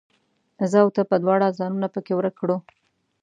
زه او ته به دواړه ځانونه پکښې ورک کړو